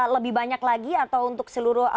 lebih banyak lagi atau untuk seluruh